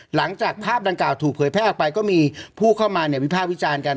หลังจากภาพดังกล่าวถูกเผยแพร่ออกไปก็มีผู้เข้ามาวิภาควิจารณ์กัน